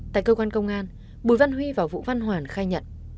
tại cơ quan công an bùi văn huy và vũ văn hoàn khai nhận